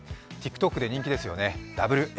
ＴｉｋＴｏｋで人気ですよね